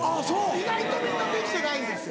意外とみんなできてないんですよ。